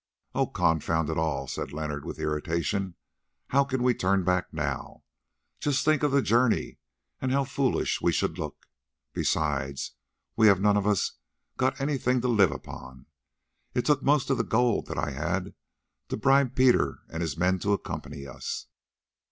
"Oh, confound it all!" said Leonard with irritation, "how can we turn back now? Just think of the journey and how foolish we should look. Besides, we have none of us got anything to live upon; it took most of the gold that I had to bribe Peter and his men to accompany us.